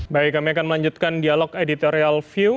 baik kami akan melanjutkan dialog editorial view